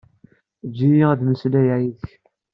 Eǧǧ-iyi ad mmeslayeɣ yid-k.